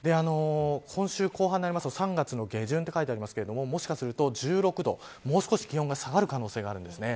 今週後半になると３月下旬と書いてありますがもしかすると１６度もう少し気温が下がる可能性があります。